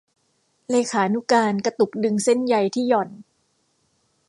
เลขานุการกระตุกดึงเส้นใยที่หย่อน